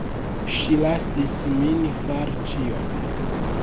Ŝi lasis min fari ĉion.